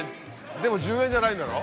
でも１０円じゃないんだろ？